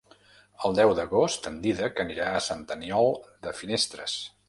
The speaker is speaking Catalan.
El deu d'agost en Dídac anirà a Sant Aniol de Finestres.